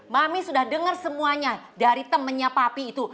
mami sudah dengar semuanya dari temennya papi itu